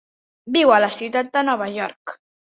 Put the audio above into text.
Viu a la ciutat de Nova York.